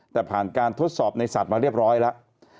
แต่ผ่านการทดสอบในสัตว์มาเรียบร้อยแล้ว